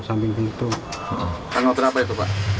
tanggal terapa itu pak